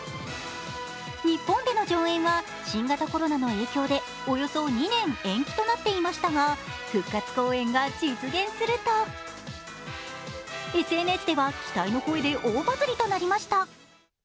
日本での上演は新型コロナの影響で、およそ２年延期となっていましたが、復活公演が実現するとＳＮＳでは期待の声で大バズりとなりました。